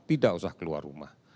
tidak usah keluar rumah